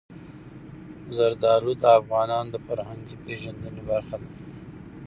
زردالو د افغانانو د فرهنګي پیژندنې برخه ده.